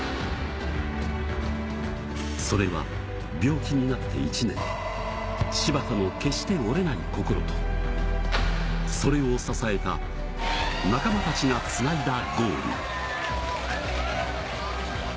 それは病気になって１年、柴田の決して折れない心と、それを支えた仲間たちがつないだゴール。